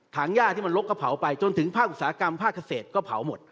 ถังหญ้าที่มันลดก็เผาไปจนถึงผ้าอุตสาหกรรมผ้าเกษตรก็เผาหมด